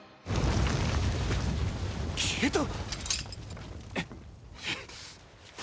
「消えた」